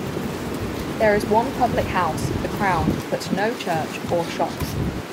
There is one public house, the Crown, but no church or shops.